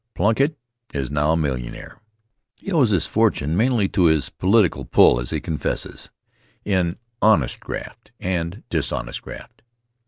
Plunkitt is now a millionaire. He owes his fortune mainly to his political pull, as he confesses in "Honest Graft and Dishonest Graft."